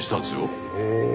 へえ。